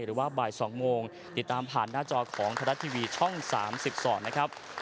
หรือว่าบ่าย๒โมงติดตามผ่านหน้าจอของไทยรัฐทีวีช่อง๓๒นะครับ